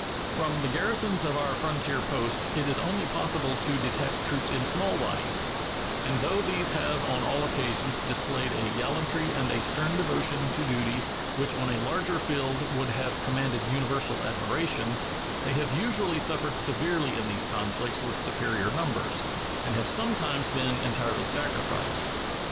From the garrisons of our frontier posts it is only possible to detach troops in small bodies; and though these have on all occasions displayed a gallantry and a stern devotion to duty which on a larger field would have commanded universal admiration, they have usually suffered severely in these conflicts with superior numbers, and have sometimes been entirely sacrificed.